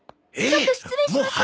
ちょっと失礼します。